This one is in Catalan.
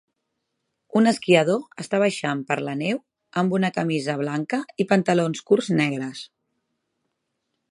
Un esquiador està baixant per la neu amb una camisa blanca i pantalons curts negres.